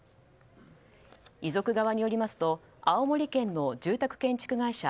遺族側によりますと青森県の住宅建築会社